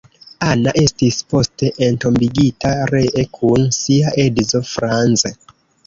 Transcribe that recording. Anna estis poste entombigita ree kun sia edzo Franz.